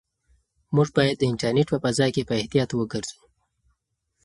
موږ باید د انټرنيټ په فضا کې په احتیاط وګرځو.